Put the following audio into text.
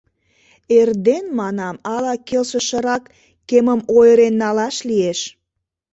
Эрден, — манам, — ала келшышырак кемым ойырен налаш лиеш.